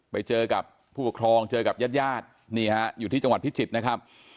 ไปเจอกับผู้ปกครองเจอกับญาติญาตินี่ฮะอยู่ที่จังหวัดพิจิตรนะครับ